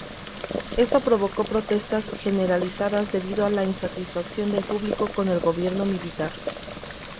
Esto provocó protestas generalizadas debido a la insatisfacción del público con el gobierno militar.